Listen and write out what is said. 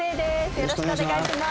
よろしくお願いします。